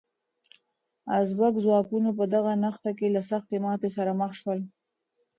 ازبک ځواکونه په دغه نښته کې له سختې ماتې سره مخ شول.